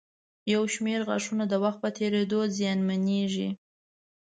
یو شمېر غاښونه د وخت په تېرېدو زیانمنېږي.